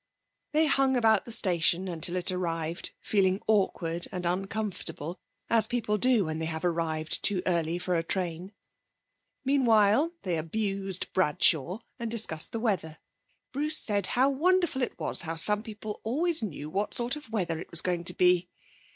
They hung about the station until it arrived, feeling awkward and uncomfortable, as people do when they have arrived too early for a train. Meanwhile they abused Bradshaw, and discussed the weather. Bruce said how wonderful it was how some people always knew what sort of weather it was going to be.